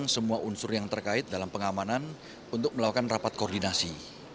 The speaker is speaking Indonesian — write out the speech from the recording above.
semua unsur yang terkait dalam pengamanan untuk melakukan rapat koordinasi